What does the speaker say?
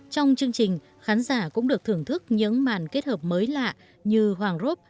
trong chương trình khán giả cũng được thưởng thức những màn kết hợp mới lạ như hoàng rop